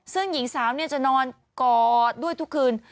ซึ่งหญิงสาวจะนอนกอดด้วยทุกคืน